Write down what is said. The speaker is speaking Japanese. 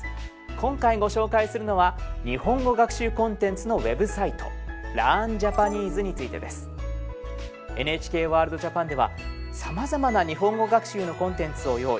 今回ご紹介するのは日本語学習コンテンツのウェブサイト「ＬｅａｒｎＪａｐａｎｅｓｅ」についてです。ＮＨＫワールドＪＡＰＡＮではさまざまな日本語学習のコンテンツを用意。